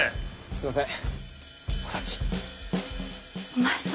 すんません！